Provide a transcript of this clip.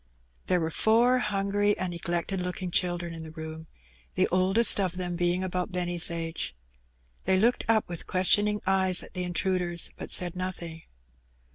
There were four hungry and neglected looking children in the room, the oldest of them being about Benny's age. They looked up with questioning eyes at the intruders, but said nothing.